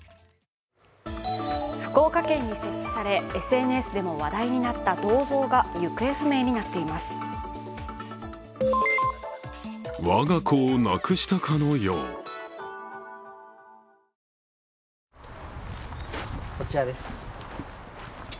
福岡県に設置され、ＳＮＳでも話題になった銅像が行方不明になっています。